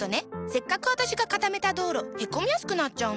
せっかく私が固めた道路へこみやすくなっちゃうの。